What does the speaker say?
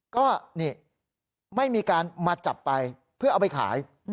ก็นี่ไม่มีการมาจับไปเพื่อเอาไปขาย